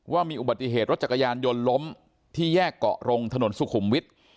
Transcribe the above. ว่ามีอุบัติเหตุรถจักรยานยนต์ล้มที่แยกเกาะรงถนนสุขุมวิทย์